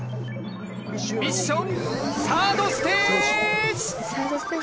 ミッションサードステージ。